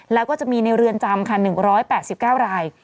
แล้วก็จะมีในเรือนจำค่ะ๑๘๙ราย